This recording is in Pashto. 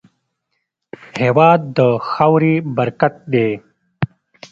هېواد د خاورې برکت دی.